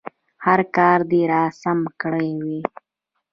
هر کار دې راسم کړی وي.